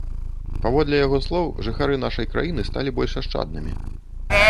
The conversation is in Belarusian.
Паводле яго слоў, жыхары нашай краіны сталі больш ашчаднымі.